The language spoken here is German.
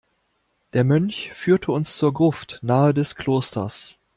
Der Mönch führte uns zur Gruft nahe des Klosters.